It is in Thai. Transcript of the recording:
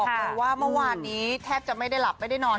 เลยว่าเมื่อวานนี้แทบจะไม่ได้หลับไม่ได้นอน